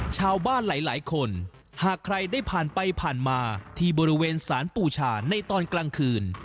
ชาวบ้านหลายคนหากใครได้ผ่านไปผ่านมาที่บริเวณสารปูชาในตอนกลางคืน